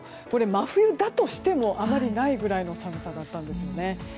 真冬だとしてもあまりないぐらいの寒さだったんですよね。